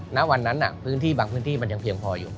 ณวันนั้นพื้นที่บางพื้นที่มันยังเพียงพออยู่